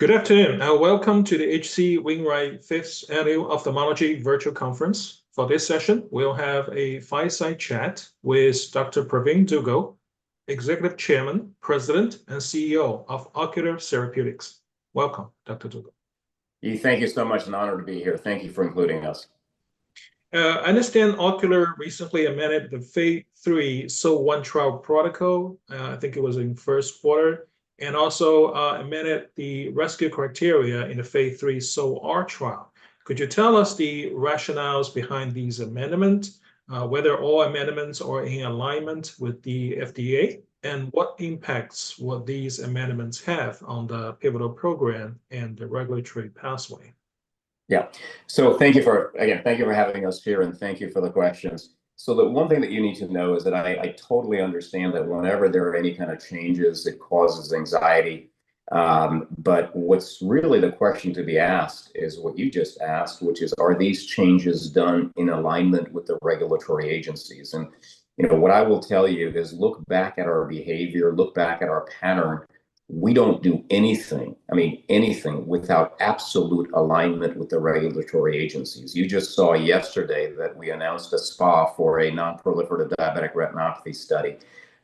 Good afternoon. Now, welcome to the HC Wainwright Fifth Annual Ophthalmology Virtual Conference. For this session, we'll have a fireside chat with Dr. Pravin U. Dugel, Executive Chairman, President, and CEO of Ocular Therapeutix. Welcome, Dr. Dugel. Thank you so much. An honor to be here. Thank you for including us. I understand Ocular recently amended the Phase III SO-1 trial protocol. I think it was in the first quarter, and also amended the rescue criteria in the Phase III SO-R trial. Could you tell us the rationales behind these amendments, whether all amendments are in alignment with the FDA, and what impacts would these amendments have on the pivotal program and the regulatory pathway? Thank you for having us here, and thank you for the questions. The one thing that you need to know is that I totally understand that whenever there are any kind of changes, it causes anxiety. What's really the question to be asked is what you just asked, which is, are these changes done in alignment with the regulatory agencies? What I will tell you is, look back at our behavior, look back at our pattern. We don't do anything, I mean anything, without absolute alignment with the regulatory agencies. You just saw yesterday that we announced a SPA for a nonproliferative diabetic retinopathy study.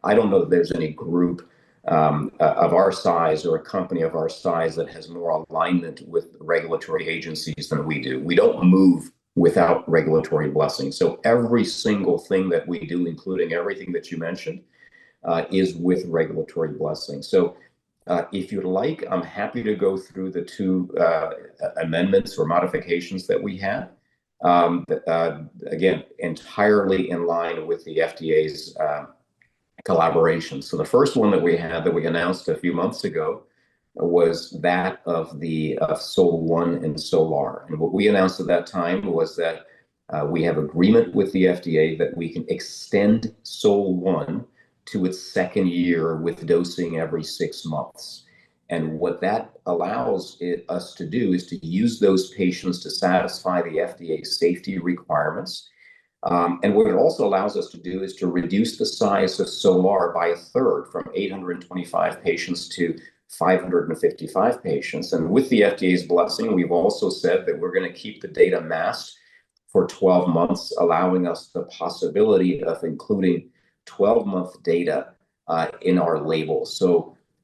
I don't know that there's any group of our size or a company of our size that has more alignment with regulatory agencies than we do. We don't move without regulatory blessings. Every single thing that we do, including everything that you mentioned, is with regulatory blessings. If you'd like, I'm happy to go through the two amendments or modifications that we have, again, entirely in line with the FDA's collaboration. The first one that we had that we announced a few months ago was that of the SO-1 and SO-R. What we announced at that time was that we have agreement with the FDA that we can extend SO-1 to its second year with dosing every six months. What that allows us to do is to use those patients to satisfy the FDA safety requirements. What it also allows us to do is to reduce the size of SO-R by a third, from 825 patients to 555 patients. With the FDA's blessing, we've also said that we're going to keep the data masked for 12 months, allowing us the possibility of including 12-month data in our label.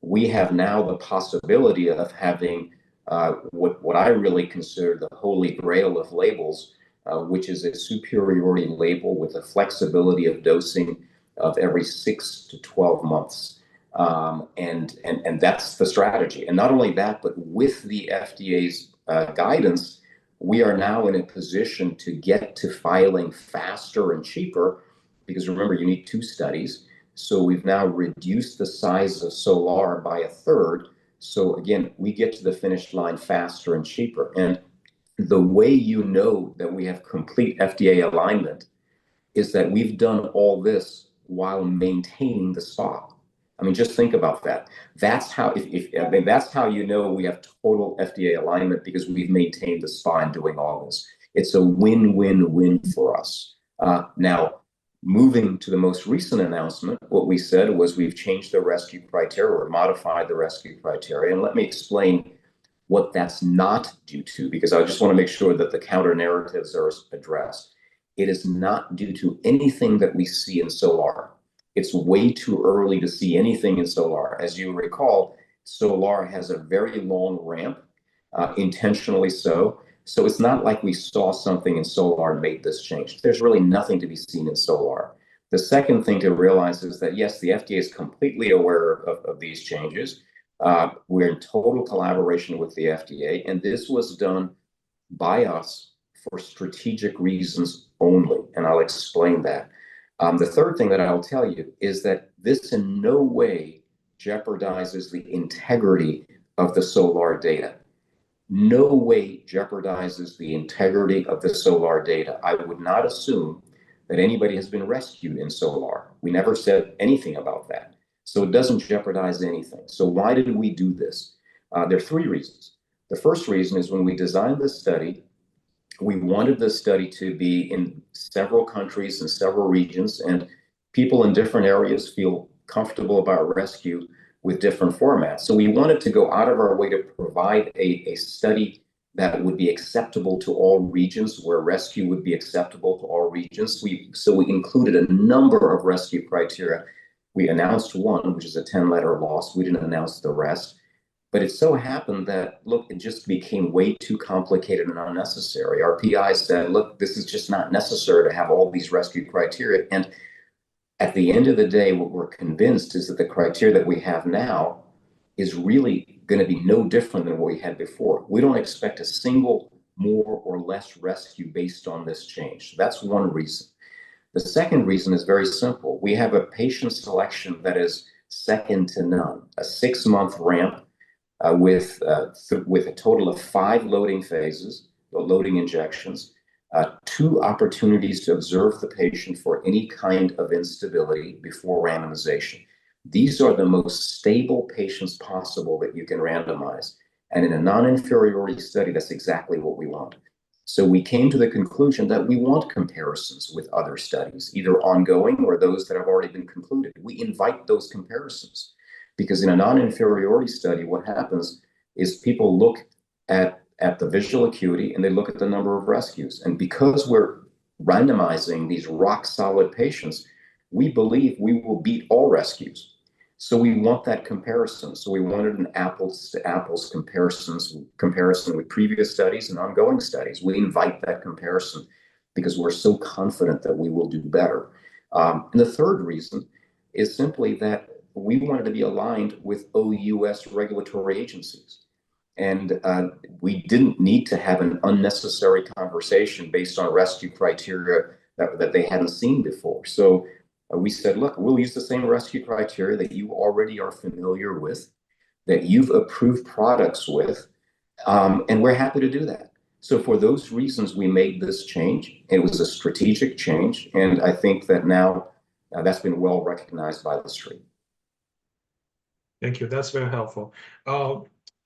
We have now the possibility of having what I really consider the holy grail of labels, which is a superiority label with the flexibility of dosing of every 6-12 months. That's the strategy. Not only that, but with the FDA's guidance, we are now in a position to get to filing faster and cheaper, because remember, you need two studies. We've now reduced the size of SO-R by a third. We get to the finish line faster and cheaper. The way you know that we have complete FDA alignment is that we've done all this while maintaining the SPA. Just think about that. That's how you know we have total FDA alignment, because we've maintained the SPA and doing all this. It's a win-win-win for us. Now, moving to the most recent announcement, what we said was we've changed the rescue criteria or modified the rescue criteria. Let me explain what that's not due to, because I just want to make sure that the counter-narratives are addressed. It is not due to anything that we see in SO-R. It's way too early to see anything in SO-R. As you recall, SO-R has a very long ramp, intentionally so. It's not like we saw something in SO-R and made this change. There's really nothing to be seen in SO-R. The second thing to realize is that, yes, the U.S. Food and Drug Administration (FDA) is completely aware of these changes. We're in total collaboration with the FDA. This was done by us for strategic reasons only. I'll explain that. The third thing that I'll tell you is that this in no way jeopardizes the integrity of the SO-R data. No way jeopardizes the integrity of the SO-R data. I would not assume that anybody has been rescued in SO-R. We never said anything about that. It doesn't jeopardize anything. Why did we do this? There are three reasons. The first reason is when we designed this study, we wanted this study to be in several countries and several regions, and people in different areas feel comfortable about rescue with different formats. We wanted to go out of our way to provide a study that would be acceptable to all regions, where rescue would be acceptable to all regions. We included a number of rescue criteria. We announced one, which is a 10-letter loss. We didn't announce the rest. It just became way too complicated and unnecessary. Our PI said this is just not necessary to have all these rescue criteria. At the end of the day, what we're convinced is that the criteria that we have now is really going to be no different than what we had before. We don't expect a single more or less rescue based on this change. That's one reason. The second reason is very simple. We have a patient selection that is second to none, a six-month ramp with a total of five loading phases or loading injections, two opportunities to observe the patient for any kind of instability before randomization. These are the most stable patients possible that you can randomize. In a non-inferiority study, that's exactly what we want. We came to the conclusion that we want comparisons with other studies, either ongoing or those that have already been concluded. We invite those comparisons, because in a non-inferiority study, what happens is people look at the visual acuity and they look at the number of rescues. Because we're randomizing these rock-solid patients, we believe we will beat all rescues. We want that comparison. We wanted an apples-to-apples comparison with previous studies and ongoing studies. We invite that comparison because we're so confident that we will do better. The third reason is simply that we wanted to be aligned with OUS regulatory agencies. We didn't need to have an unnecessary conversation based on rescue criteria that they hadn't seen before. We said, look, we'll use the same rescue criteria that you already are familiar with, that you've approved products with, and we're happy to do that. For those reasons, we made this change. It was a strategic change. I think that now that's been well recognized by the street. Thank you. That's very helpful.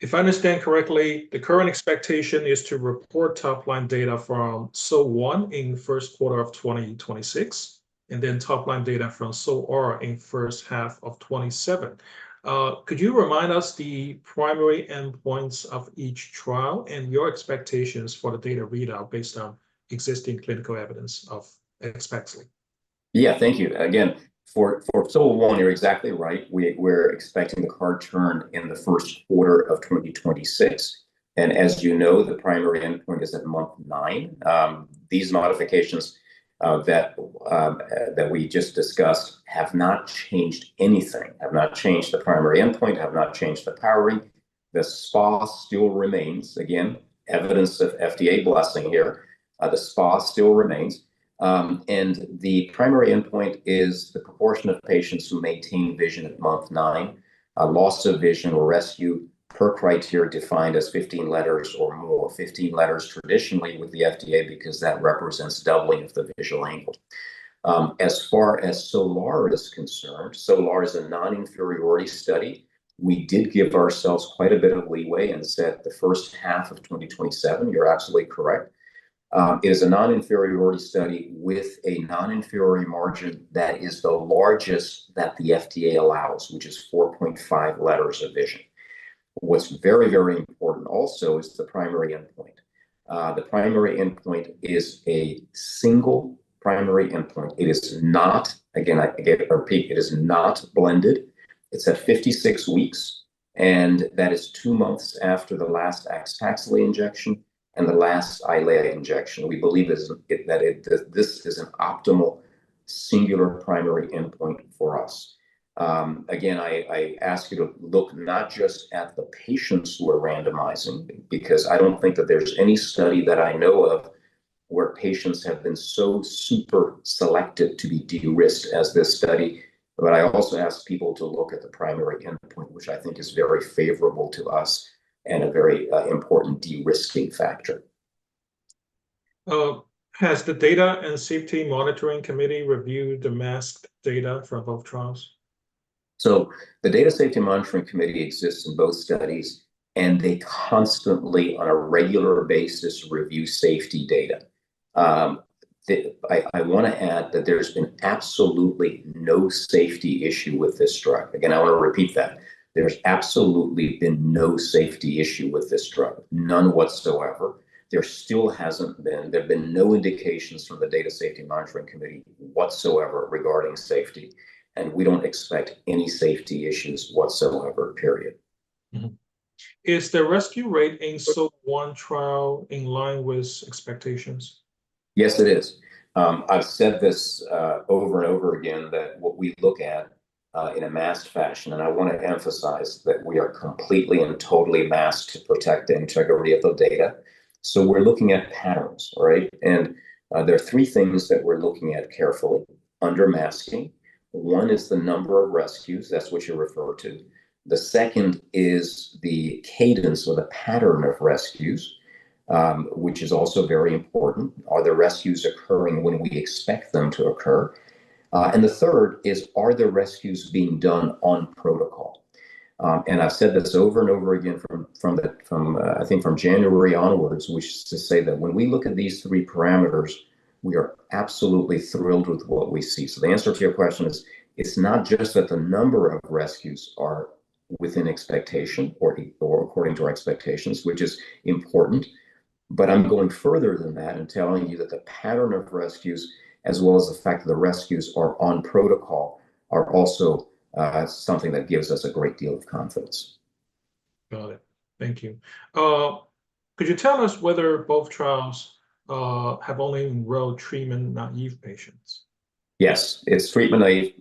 If I understand correctly, the current expectation is to report top-line data from SO-1 in the first quarter of 2026, and then top-line data from SO-R in the first half of 2027. Could you remind us the primary endpoints of each trial and your expectations for the data readout based on existing clinical evidence of Axpaxli? Yeah, thank you. Again, for SO-1, you're exactly right. We're expecting the CART turned in the first quarter of 2026. As you know, the primary endpoint is at month 9. These modifications that we just discussed have not changed anything, have not changed the primary endpoint, have not changed the powering. The SPA still remains. Evidence of FDA blessing here. The SPA still remains. The primary endpoint is the proportion of patients who maintain vision at month 9, loss of vision or rescue per criteria defined as 15 letters or more. Fifteen letters traditionally with the FDA because that represents doubling of the visual aim. As far as SO-R is concerned, SO-R is a non-inferiority study. We did give ourselves quite a bit of leeway and said the first half of 2027, you're absolutely correct. It is a non-inferiority study with a non-inferiority margin that is the largest that the FDA allows, which is 4.5 letters of vision. What's very, very important also is the primary endpoint. The primary endpoint is a single primary endpoint. It is not, again, I repeat, it is not blended. It's at 56 weeks. That is two months after the last Axpaxli injection and the last Eylea injection. We believe that this is an optimal singular primary endpoint for us. I ask you to look not just at the patients who are randomizing, because I don't think that there's any study that I know of where patients have been so super selected to be de-risked as this study. I also ask people to look at the primary endpoint, which I think is very favorable to us and a very important de-risking factor. Has the data and safety monitoring committee reviewed the masked data from both trials? The data safety monitoring committee exists in both studies, and they constantly, on a regular basis, review safety data. I want to add that there's absolutely no safety issue with this drug. I want to repeat that. There's absolutely been no safety issue with this drug, none whatsoever. There still hasn't been. There have been no indications from the data safety monitoring committee whatsoever regarding safety, and we don't expect any safety issues whatsoever, period. Is the rescue rate in SO-1 trial in line with expectations? Yes, it is. I've said this over and over again that what we look at in a masked fashion, and I want to emphasize that we are completely and totally masked to protect the integrity of the data. We're looking at patterns, right? There are three things that we're looking at carefully: under-masking. One is the number of rescues. That's what you're referring to. The second is the cadence or the pattern of rescues, which is also very important. Are the rescues occurring when we expect them to occur? The third is, are the rescues being done on protocol? I've said this over and over again from, I think, from January onwards, which is to say that when we look at these three parameters, we are absolutely thrilled with what we see. The answer to your question is, it's not just that the number of rescues are within expectation or according to our expectations, which is important, but I'm going further than that and telling you that the pattern of rescues, as well as the fact that the rescues are on protocol, are also something that gives us a great deal of confidence. Got it. Thank you. Could you tell us whether both trials have only enrolled treatment-naive patients? Yes, it's treatment-naive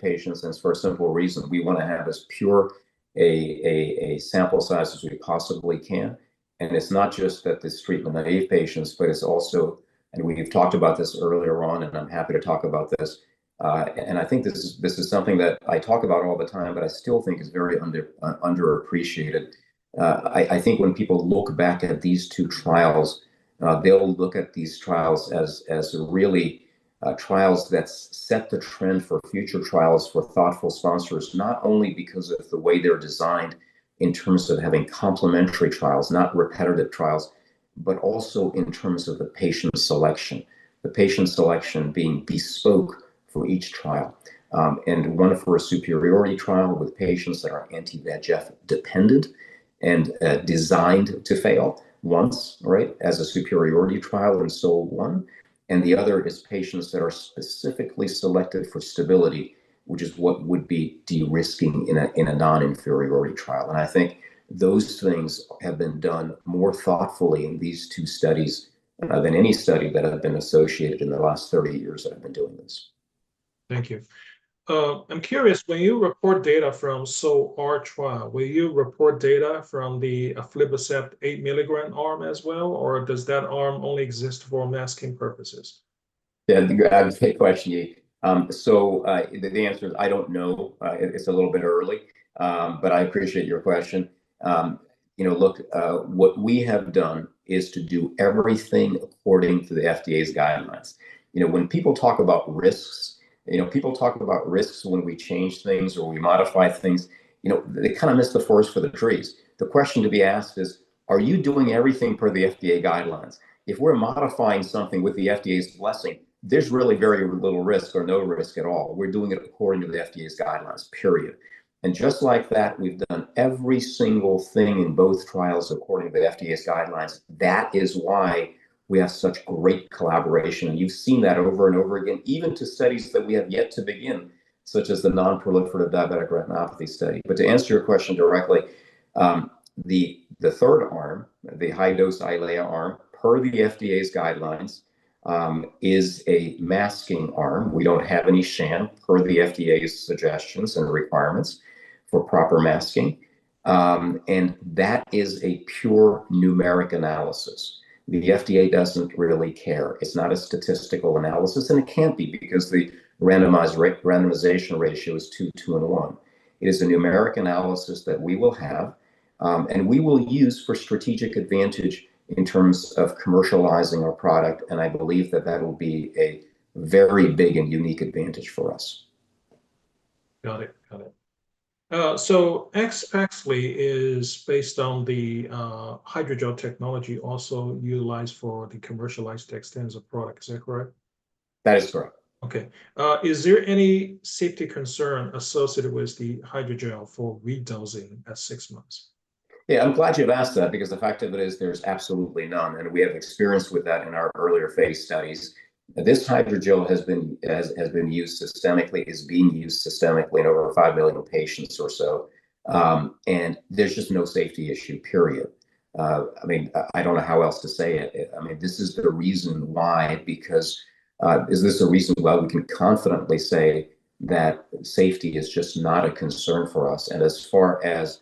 patients. It's for a simple reason. We want to have as pure a sample size as we possibly can. It's not just that it's treatment-naive patients, but it's also, and we've talked about this earlier on, I'm happy to talk about this. I think this is something that I talk about all the time, but I still think is very underappreciated. I think when people look back at these two trials, they'll look at these trials as really trials that set the trend for future trials for thoughtful sponsors, not only because of the way they're designed in terms of having complementary trials, not repetitive trials, but also in terms of the patient selection, the patient selection being bespoke for each trial. One for a superiority trial with patients that are anti-VEGF dependent and designed to fail once, right, as a superiority trial in SO-1. The other is patients that are specifically selected for stability, which is what would be de-risking in a non-inferiority trial. I think those things have been done more thoughtfully in these two studies than any study that I've been associated in the last 30 years that I've been doing this. Thank you. I'm curious, when you report data from SO-R trial, will you report data from the aflibercept 8 milligram arm as well, or does that arm only exist for masking purposes? Yeah, I have the same question to you. The answer is, I don't know. It's a little bit early. I appreciate your question. What we have done is to do everything according to the FDA's guidelines. When people talk about risks, people talk about risks when we change things or we modify things, they kind of miss the forest for the trees. The question to be asked is, are you doing everything per the FDA guidelines? If we're modifying something with the FDA's blessing, there's really very little risk or no risk at all. We're doing it according to the FDA's guidelines, period. Just like that, we've done every single thing in both trials according to the FDA's guidelines. That is why we have such great collaboration. You've seen that over and over again, even to studies that we have yet to begin, such as the nonproliferative diabetic retinopathy study. To answer your question directly, the third arm, the high-dose Eylea arm, per the FDA's guidelines, is a masking arm. We don't have any sham, per the FDA's suggestions and requirements for proper masking. That is a pure numeric analysis. The FDA doesn't really care. It's not a statistical analysis. It can't be, because the randomization ratio is two, two, and one. It is a numeric analysis that we will have and we will use for strategic advantage in terms of commercializing our product. I believe that that will be a very big and unique advantage for us. Got it. Got it. So Axpaxli is based on the hydrogel technology, also utilized for the commercialized Dextenza product. Is that correct? That is correct. Okay. Is there any safety concern associated with the hydrogel for re-dosing at six months? Yeah, I'm glad you've asked that, because the fact of it is, there's absolutely none. We have experience with that in our earlier phase studies. This hydrogel has been used systemically, is being used systemically in over 5 million patients or so. There's just no safety issue, period. I don't know how else to say it. This is the reason why, because is this a reason why we can confidently say that safety is just not a concern for us? As far as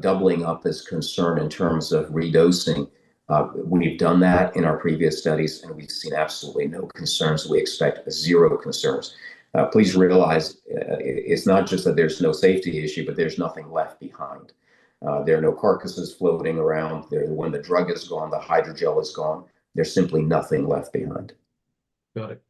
doubling up this concern in terms of re-dosing, we've done that in our previous studies. We've seen absolutely no concerns. We expect zero concerns. Please realize it's not just that there's no safety issue, but there's nothing left behind. There are no carcasses floating around. When the drug is gone, the hydrogel is gone. There's simply nothing left behind. Got it.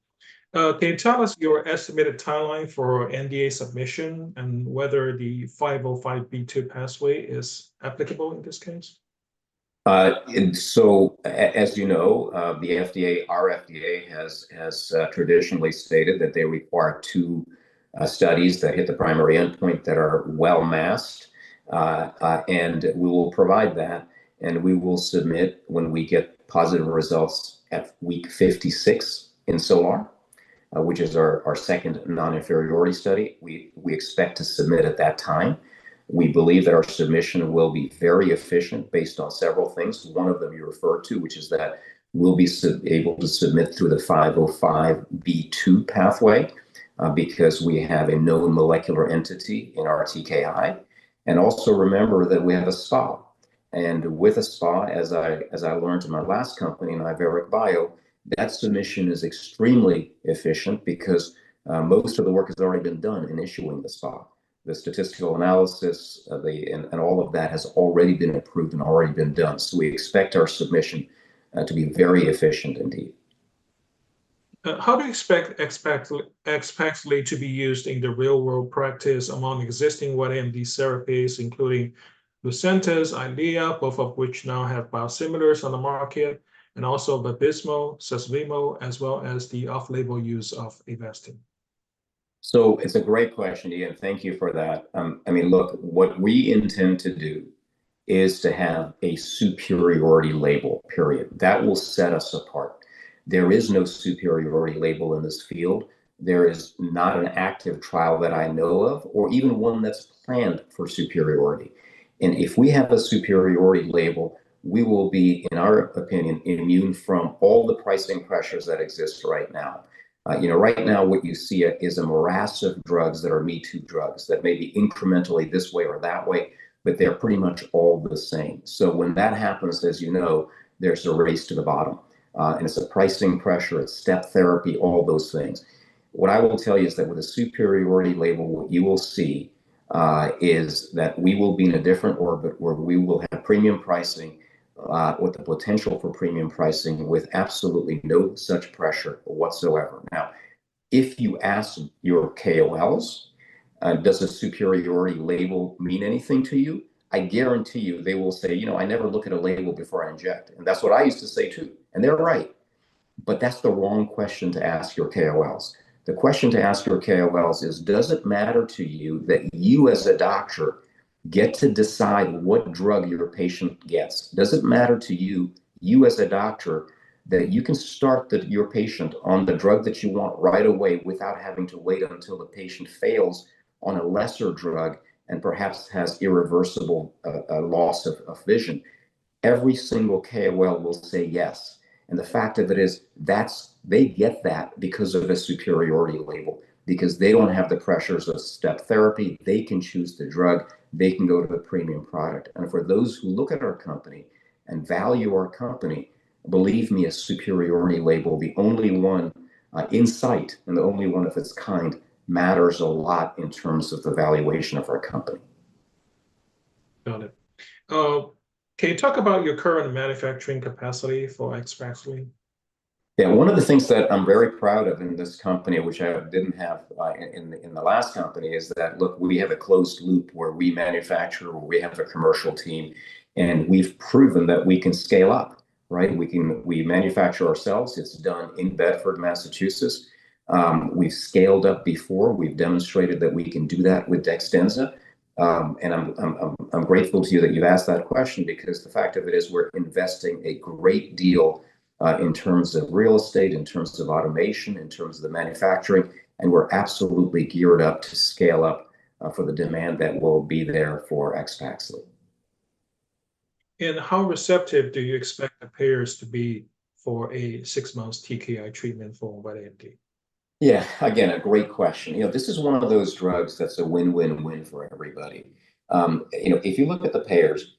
Can you tell us your estimated timeline for NDA submission and whether the 505(b)(2) pathway is applicable in this case? As you know, the FDA has traditionally stated that they require two studies that hit the primary endpoint that are well masked. We will provide that, and we will submit when we get positive results at week 56 in SO-R, which is our second non-inferiority study. We expect to submit at that time. We believe that our submission will be very efficient based on several things. One of them you referred to, which is that we'll be able to submit through the 505(b)(2) pathway because we have a known molecular entity in our TKI. Also, remember that we have a SPA. With a SPA, as I learned in my last company, Iveric Bio, that submission is extremely efficient because most of the work has already been done in issuing the SPA. The statistical analysis and all of that has already been approved and already been done. We expect our submission to be very efficient indeed. How do you expect Axpaxli to be used in the real-world practice among existing anti-VEGF therapies, including Lucentis, Eylea, both of which now have biosimilars on the market, and also Vabysmo, Susvimo, as well as the off-label use of Avastin? It's a great question, Ian. Thank you for that. What we intend to do is to have a superiority label, period. That will set us apart. There is no superiority label in this field. There is not an active trial that I know of or even one that's planned for superiority. If we have a superiority label, we will be, in our opinion, immune from all the pricing pressures that exist right now. Right now, what you see is a morass of drugs that are me-too drugs that may be incrementally this way or that way, but they're pretty much all the same. When that happens, as you know, there's a race to the bottom. It's a pricing pressure. It's step therapy, all those things. What I will tell you is that with a superiority label, what you will see is that we will be in a different orbit where we will have premium pricing with the potential for premium pricing with absolutely no such pressure whatsoever. If you ask your KOLs, does a superiority label mean anything to you? I guarantee you they will say, you know, I never look at a label before I inject. That's what I used to say too. They're right. That's the wrong question to ask your KOLs. The question to ask your KOLs is, does it matter to you that you, as a doctor, get to decide what drug your patient gets? Does it matter to you, you as a doctor, that you can start your patient on the drug that you want right away without having to wait until the patient fails on a lesser drug and perhaps has irreversible loss of vision? Every single KOL will say yes. The fact of it is, they get that because of a superiority label, because they don't have the pressures of step therapy. They can choose the drug. They can go to a premium product. For those who look at our company and value our company, believe me, a superiority label, the only one in sight and the only one of its kind, matters a lot in terms of the valuation of our company. Got it. Can you talk about your current manufacturing capacity for Axpaxli? Yeah, one of the things that I'm very proud of in this company, which I didn't have in the last company, is that, look, we have a closed loop where we manufacture, where we have a commercial team. We've proven that we can scale up, right? We manufacture ourselves. It's done in Bedford, Massachusetts. We've scaled up before. We've demonstrated that we can do that with Dextenza. I'm grateful to you that you've asked that question, because the fact of it is, we're investing a great deal in terms of real estate, in terms of automation, in terms of the manufacturing. We're absolutely geared up to scale up for the demand that will be there for Axpaxli. How receptive do you expect the payers to be for a six-month TKI treatment for wet age-related macular degeneration? Yeah, again, a great question. This is one of those drugs that's a win-win-win for everybody. If you look at the payers,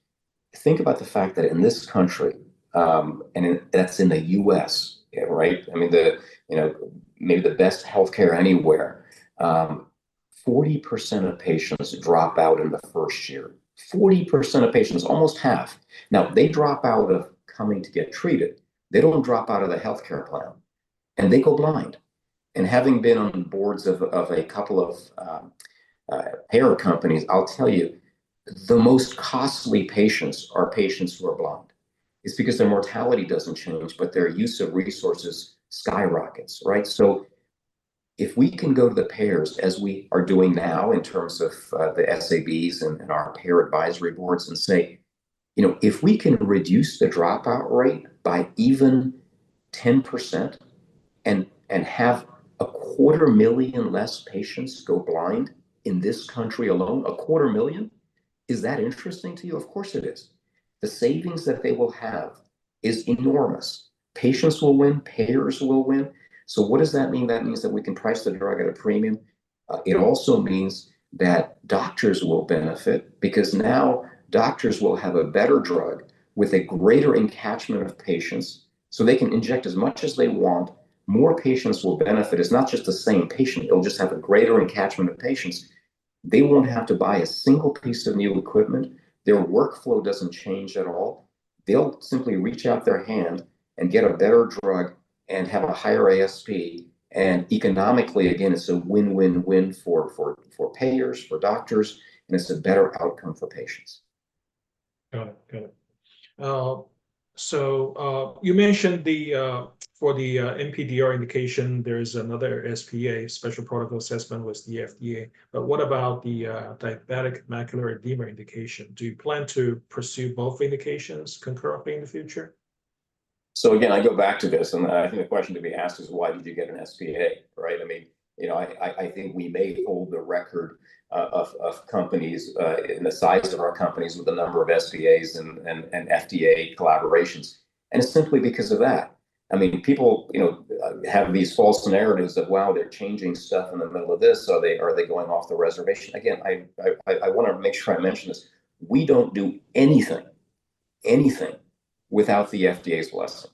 think about the fact that in this country, and that's in the U.S., right? I mean, maybe the best health care anywhere, 40% of patients drop out in the first year. 40% of patients, almost half, now they drop out of coming to get treated. They don't drop out of the health care plan. They go blind. Having been on boards of a couple of payer companies, I'll tell you, the most costly patients are patients who are blind. It's because their mortality doesn't change, but their use of resources skyrockets, right? If we can go to the payers, as we are doing now in terms of the SABs and our payer advisory boards, and say, if we can reduce the dropout rate by even 10% and have a quarter million less patients go blind in this country alone, a quarter million, is that interesting to you? Of course, it is. The savings that they will have is enormous. Patients will win. Payers will win. What does that mean? That means that we can price the drug at a premium. It also means that doctors will benefit, because now doctors will have a better drug with a greater encapsulation of patients. They can inject as much as they want. More patients will benefit. It's not just the same patient. It'll just have a greater encapsulation of patients. They won't have to buy a single piece of new equipment. Their workflow doesn't change at all. They'll simply reach out their hand and get a better drug and have a higher ASP. Economically, again, it's a win-win-win for payers, for doctors, and it's a better outcome for patients. Got it. You mentioned for the NPDR indication, there is another SPA, Special Protocol Assessment with the FDA. What about the diabetic macular edema indication? Do you plan to pursue both indications concurrently in the future? I go back to this. I think the question to be asked is, why did you get an SPA, right? I mean, I think we made all the record of companies in the size of our companies with the number of SPAs and FDA collaborations. It's simply because of that. People have these false narratives of, wow, they're changing stuff in the middle of this. Are they going off the reservation? I want to make sure I mention this. We don't do anything, anything without the FDA's blessing.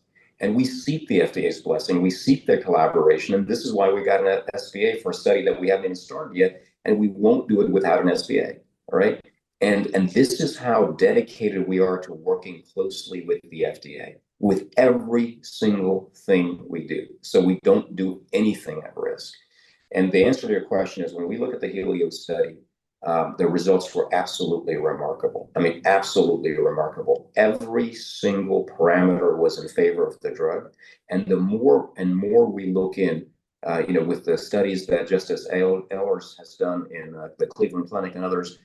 We seek the FDA's blessing. We seek their collaboration. This is why we got an SPA for a study that we haven't even started yet. We won't do it without an SPA, right? This is how dedicated we are to working closely with the FDA with every single thing we do. We don't do anything at risk. The answer to your question is, when we look at the Helios study, the results were absolutely remarkable. I mean, absolutely remarkable. Every single parameter was in favor of the drug. The more and more we look in, with the studies that Justis Ehlers has done in the Cleveland Clinic and others,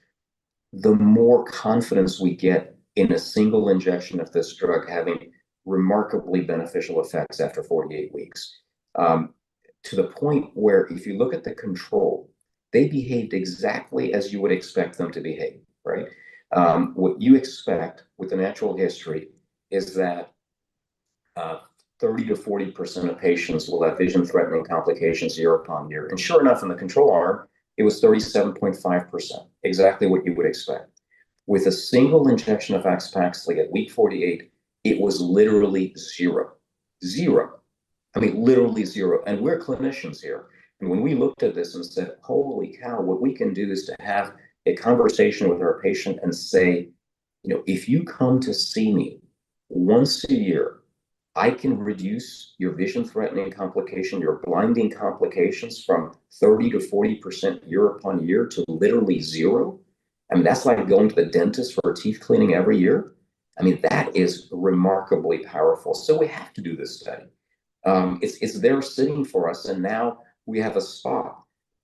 the more confidence we get in a single injection of this drug having remarkably beneficial effects after 48 weeks, to the point where if you look at the control, they behaved exactly as you would expect them to behave, right? What you expect with the natural history is that 30%-40% of patients will have vision-threatening complications year upon year. Sure enough, in the control arm, it was 37.5%, exactly what you would expect. With a single injection of Axpaxli at week 48, it was literally zero, zero. I mean, literally zero. We're clinicians here. When we looked at this and said, holy cow, what we can do is to have a conversation with our patient and say, if you come to see me once a year, I can reduce your vision-threatening complication, your blinding complications from 30%-40% year-upon-year to literally 0%. I mean, that's like going to the dentist for teeth cleaning every year. That is remarkably powerful. We have to do this study. It's there sitting for us. Now we have an SPA.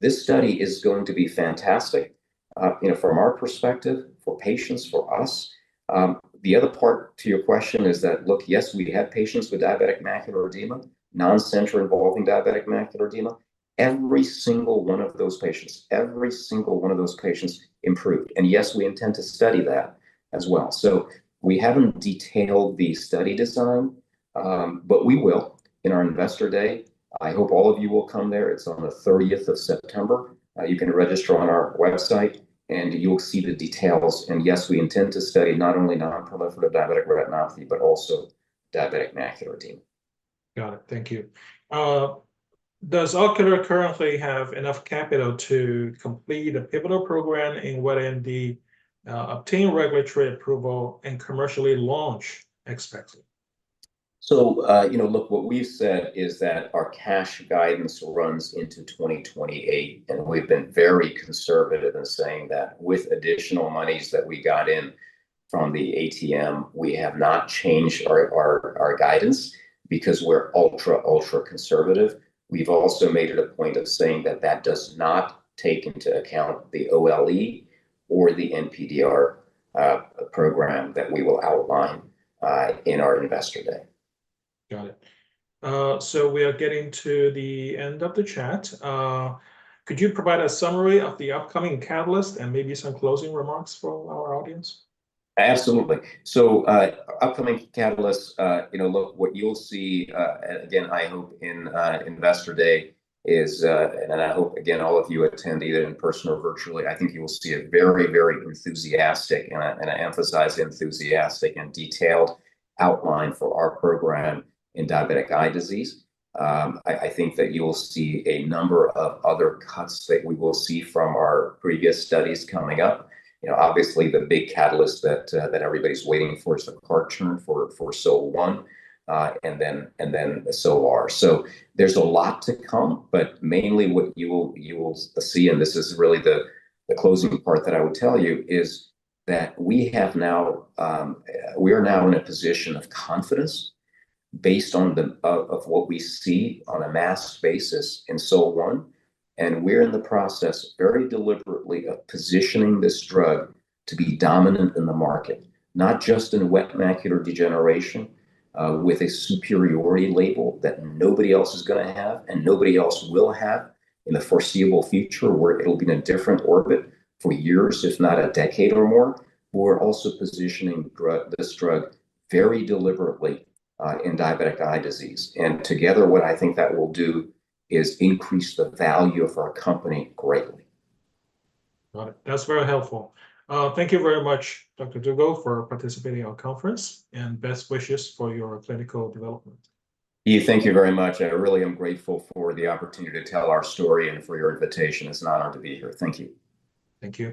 This study is going to be fantastic, from our perspective, for patients, for us. The other part to your question is that, yes, we have patients with diabetic macular edema, non-center-involving diabetic macular edema. Every single one of those patients, every single one of those patients improved. Yes, we intend to study that as well. We haven't detailed the study design, but we will. In our Investor Day, I hope all of you will come. It's on September 30. You can register on our website and you'll see the details. Yes, we intend to study not only nonproliferative diabetic retinopathy, but also diabetic macular edema. Got it. Thank you. Does Ocular have enough capital to complete the pivotal program in wet age-related macular degeneration, obtain regulatory approval, and commercially launch Axpaxli? What we've said is that our cash guidance runs into 2028. We've been very conservative in saying that with additional monies that we got in from the ATM, we have not changed our guidance because we're ultra, ultra conservative. We've also made it a point of saying that that does not take into account the OLE or the NPDR program that we will outline in our Investor Day. Got it. We are getting to the end of the chat. Could you provide a summary of the upcoming catalyst and maybe some closing remarks for our audience? Absolutely. Upcoming catalyst, you know, look, what you'll see, again, I hope in Investor Day is, and I hope, again, all of you attend either in person or virtually, I think you will see a very, very enthusiastic, and I emphasize enthusiastic, and detailed outline for our program in diabetic eye disease. I think that you will see a number of other cuts that we will see from our previous studies coming up. Obviously, the big catalyst that everybody's waiting for is the CART turn for SO-1 and then SO-R. There's a lot to come. Mainly what you will see, and this is really the closing part that I would tell you, is that we are now in a position of confidence based on what we see on a mass basis in SO-1. We're in the process very deliberately of positioning this drug to be dominant in the market, not just in wet macular degeneration with a superiority label that nobody else is going to have and nobody else will have in the foreseeable future, where it'll be in a different orbit for years, if not a decade or more. We're also positioning this drug very deliberately in diabetic eye disease. Together, what I think that will do is increase the value of our company greatly. Got it. That's very helpful. Thank you very much, Dr. Dugel, for participating in our conference. Best wishes for your clinical development. Thank you very much. I really am grateful for the opportunity to tell our story and for your invitation. It's an honor to be here. Thank you. Thank you.